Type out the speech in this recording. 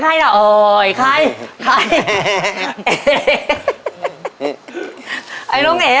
ไปเลยครับตอนนี้